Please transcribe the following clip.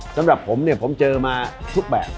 สำหรับผมเนี่ยผมเจอมาทุกแบบ